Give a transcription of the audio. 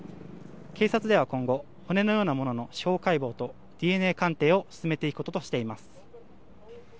警察では今後骨のようなものの司法解剖とＤＮＡ鑑定を進めていくこととしています。